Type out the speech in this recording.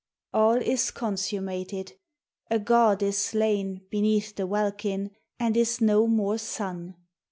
All is consummated, a god is slain Beneath the welkin, and is no more sun.